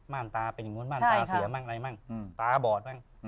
ม่านตาเป็นอย่างงี้ม่าม่านตาเสียอะไรม่างตาบอด